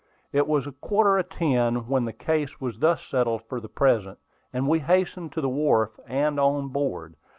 It was quarter of ten when the case was thus settled for the present, and we hastened to the wharf, and on board.